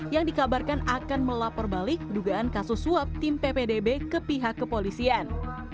yang dikabarkan akan melapor balik dugaan kasus suap tim ppdb ke pihak kepolisian